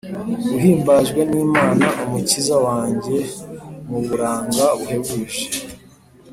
uhimbajwe n’imana umukiza wanjye muburanga buhebuje